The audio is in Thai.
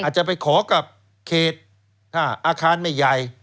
อาจจะไปขอกับเขตอาคารไม่ใหญ่